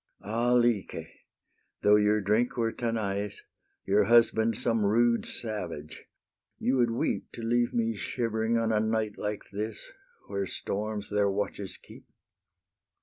Ah Lyce! though your drink were Tanais, Your husband some rude savage, you would weep To leave me shivering, on a night like this, Where storms their watches keep.